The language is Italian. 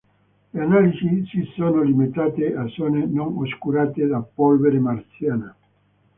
Le analisi si sono limitate a zone non oscurate da polvere marziana.